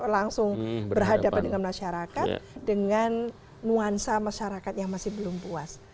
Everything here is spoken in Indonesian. langsung berhadapan dengan masyarakat dengan nuansa masyarakat yang masih belum puas